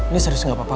nih serius gak apa apa